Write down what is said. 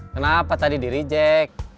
kenapa tadi diri jack